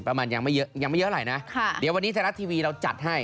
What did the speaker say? ประมาณยังไม่เยอะยังไม่เยอะเท่าไหร่นะค่ะเดี๋ยววันนี้ไทยรัฐทีวีเราจัดให้